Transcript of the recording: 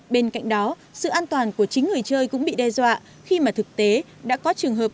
bên cạnh đó sự an toàn của chính người chơi cũng bị đe dọa khi mà thực tế đã có trường hợp